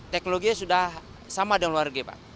teknologinya sudah sama dengan luar negeri pak